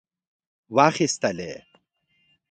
واخیستلې.